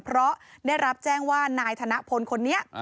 เพราะได้รับแจ้งว่านายธนพลคนนี้